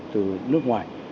từ nước ngoài